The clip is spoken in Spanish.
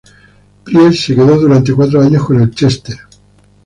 Priest se quedó durante cuatro años con el Chester.